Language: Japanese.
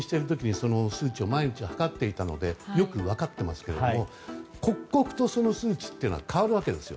その数値を毎日測っていたのでよく分かっていますけども刻々と、その数値というのは変わるわけですよ。